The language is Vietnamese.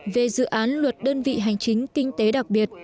về dự án luật đơn vị hành chính kinh tế đặc biệt